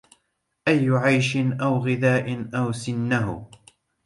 أي عيش أو غذاء أو سنه